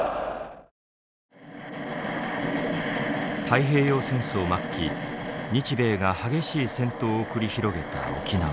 太平洋戦争末期日米が激しい戦闘を繰り広げた沖縄。